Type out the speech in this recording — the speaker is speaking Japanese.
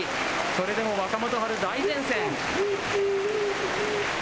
それでも、若元春、大善戦。